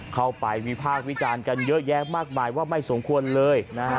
เข้าไปวิภาควิจารณ์กันเยอะแยะมากมายว่าไม่สมควรเลย